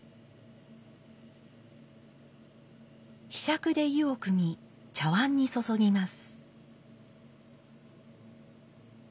柄杓で湯をくみ茶碗に注ぎます。